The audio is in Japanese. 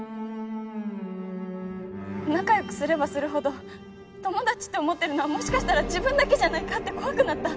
仲良くすればするほど友達って思ってるのはもしかしたら自分だけじゃないかって怖くなった。